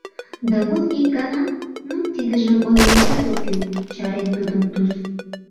Да вот ик гана...» «Ну, тидыжым ойлыметат ок кӱл, — чарен тудым Туз.